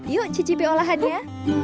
yuk cicipi olahannya